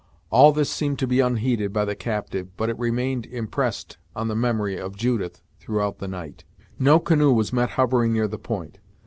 All this seemed to be unheeded by the captive, but it remained impressed on the memory of Judith throughout the night. No canoe was met hovering near the point.